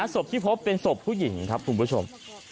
ศพที่พบเป็นศพผู้หญิงครับคุณผู้ชม